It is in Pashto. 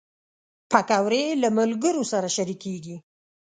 پکورې له ملګرو سره شریکېږي